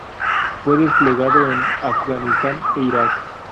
Fue desplegado en Afganistán e Irak.